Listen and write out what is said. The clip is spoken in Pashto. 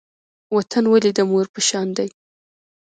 وطن ولې د مور په شان دی؟